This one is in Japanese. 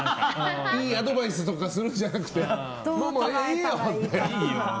いいアドバイスとかをするんじゃなくて、いいよって。